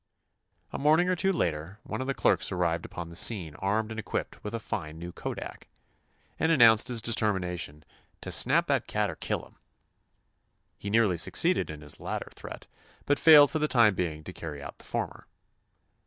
A morning or two later one of the clerks arrived upon the scene armed and equipped with a fine new kodak, and announced his determination "to snap that cat or kill him!" He nearly succeeded in his latter threat, but failed for the time being to carry out the former.